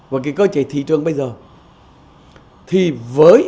với cái cơ chế thị trường bây giờ